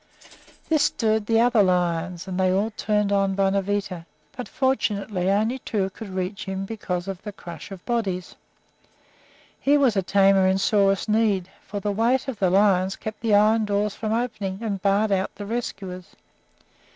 This stirred the other lions, and they all turned on Bonavita; but, fortunately, only two could reach him for the crush of bodies. Here was a tamer in sorest need, for the weight of the lions kept the iron doors from opening and barred out the rescuers.